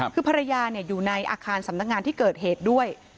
คือภรรยาอยู่ในอาคารสำนักงานที่เกิดเหตุด้วย